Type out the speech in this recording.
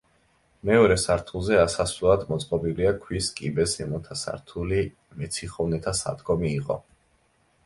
მეორე სართულზე ასასვლელად მოწყობილია ქვის კიბე ზემოთა სართული მეციხოვნეთა სადგომი იყო.